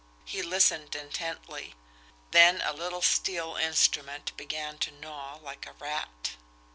He listened intently then a little steel instrument began to gnaw like a rat.